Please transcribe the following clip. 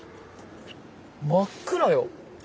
真っ暗よ。